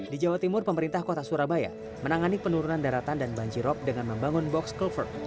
di jawa timur pemerintah kota surabaya menangani penurunan daratan dan banjirop dengan membangun box culvert